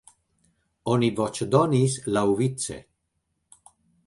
Oni voĉdonis laŭvice.